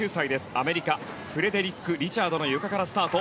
アメリカのフレッド・リチャードのゆかからスタート。